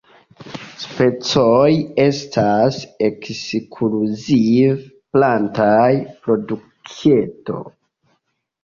Spicoj estas ekskluzive plantaj produktoj.